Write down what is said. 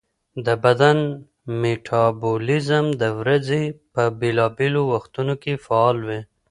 د بدن میټابولیزم د ورځې په بېلابېلو وختونو کې فعال وي.